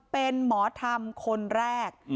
เป็นหมอธรรมคนแรก